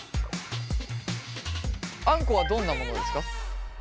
あんこはどんなモノですか？